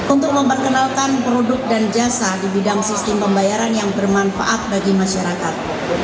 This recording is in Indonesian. untuk memperkenalkan produk dan jasa di bidang sistem pembayaran yang bermanfaat bagi masyarakat